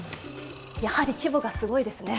やはり規模がすごいですね。